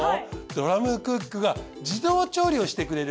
ドラムクックが自動調理をしてくれる。